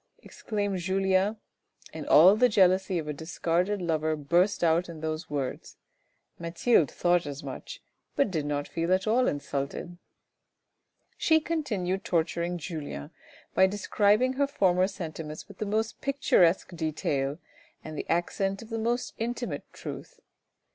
" exclaimed Julien, and all the jealousy of a discarded lover burst out in those words, Mathilde thought as much, but did not feel at all insulted. She continued torturing Julien by describing her former sentiments with the most picturesque detail and the accent of the most intimate truth.